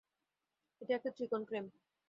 এটা একটা ত্রিকোণ প্রেম।